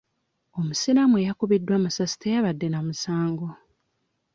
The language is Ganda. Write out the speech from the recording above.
Omusiraamu eyakubiddwa amasasi teyabadde na musango.